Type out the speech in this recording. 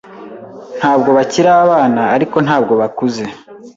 Ntabwo bakiri abana, ariko ntabwo bakuze.